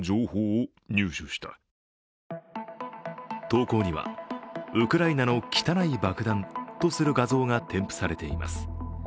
投稿には、ウクライナの汚い爆弾とする画像が添付されています。